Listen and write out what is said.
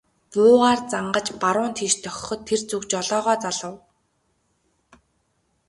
Буугаар зангаж баруун тийш дохиход тэр зүг жолоогоо залав.